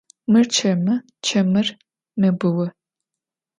Mır çemı, çemır mebıu.